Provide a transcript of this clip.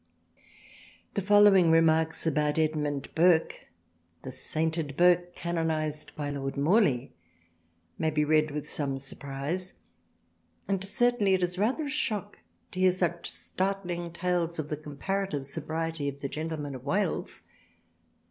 The following remarks about Edmund Burke the sainted Burke, canonized by Lord Morley, may be read with some surprise and certainly it is rather a shock to hear such startling tales of the comparative sobriety of the gentleman of Wales.